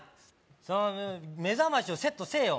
その目覚ましをセットせえよ